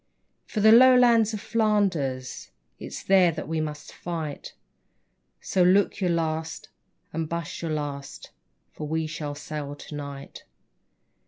For the Lowlands of Flanders, It's there that we must fight ; So look your last and buss your last, For we shall sail to night.